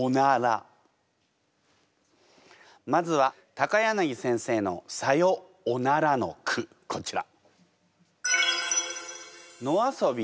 まずは柳先生の「さよおなら」の句こちら。